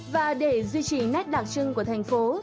và để duy trì nét đặc trưng của thành phố